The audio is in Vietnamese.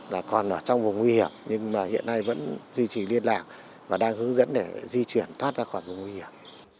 là còn ở trong vùng nguy hiểm nhưng mà hiện nay vẫn duy trì liên lạc và đang hướng dẫn để di chuyển thoát ra khỏi vùng nguy hiểm